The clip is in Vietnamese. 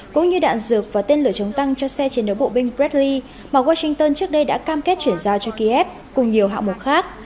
cũng như đạn dược và tên lửa chống tăng cho xe chiến đấu bộ binh bredli mà washington trước đây đã cam kết chuyển giao cho kiev cùng nhiều hạng mục khác